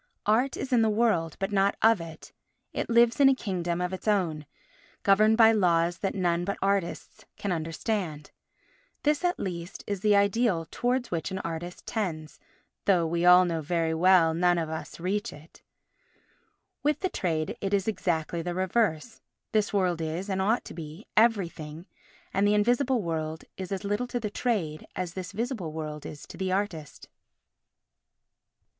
Art is in the world but not of it; it lives in a kingdom of its own, governed by laws that none but artists can understand. This, at least, is the ideal towards which an artist tends, though we all very well know we none of us reach it. With the trade it is exactly the reverse; this world is, and ought to be, everything, and the invisible world is as little to the trade as this visible world is to the artist.